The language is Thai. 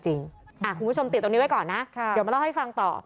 คุณผู้ชมติดตรงนี้ไว้ก่อนนะเดี๋ยวมาเล่าให้ฟังต่อ